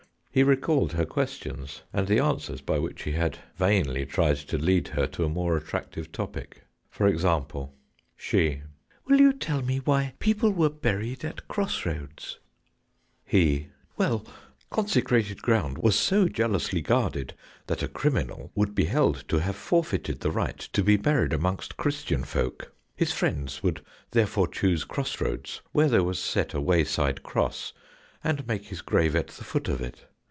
He recalled her questions, and the answers by which he had vainly tried to lead her to a more attractive topic. For example: She : Will you tell me why people were buried at cross roads ? He : Well, consecrated ground was so, jeatlously guarded that a criminal would be held to have forfeited the right to be buried amongst Christian folk. His friends would therefore choose cross roads where there was set a wayside cross, and make his grave at the foot of it.